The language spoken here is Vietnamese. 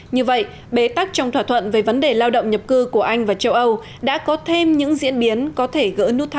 như vậy bế tắc trong thỏa thuận về vấn đề lao động nhập cư của anh và châu âu đã có thêm những diễn biến có thể gỡ nút thắt